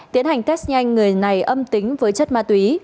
tiến hành test nhanh người này âm tính với chất ma túy